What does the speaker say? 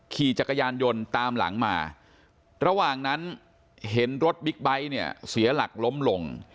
ขี่จักรยานยนต์ตามหลังมาระหว่างนั้นเห็นรถบิ๊กไบท์เนี่ยเสียหลักล้มลง